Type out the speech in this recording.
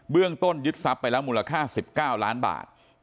เรื่องต้นยึดทรัพย์ไปแล้วมูลค่า๑๙ล้านบาท